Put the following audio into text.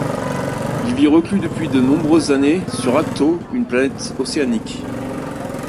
Il vit reclus depuis de nombreuses années sur Ahch-To, une planète océanique.